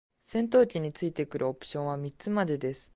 戦闘機に付いてくるオプションは三つまでです。